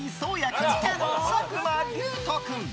君と作間龍斗君。